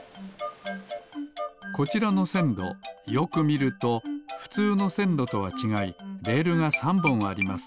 こちらのせんろよくみるとふつうのせんろとはちがいレールが３ぼんあります。